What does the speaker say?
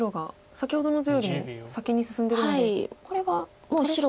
先ほどの図よりも先に進んでるのでこれは取れそうですか。